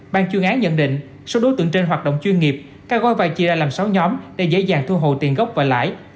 ban chuyên án nhận định số đối tượng trên hoạt động chuyên nghiệp các gói vai chia đã làm sáu nhóm để dễ dàng thu hồi tiền gốc và lãi